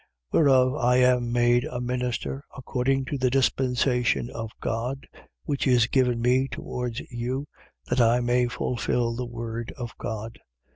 Whereof I am made a minister according to the dispensation of God, which is given me towards you, that I may fulfil the word of God: 1:26.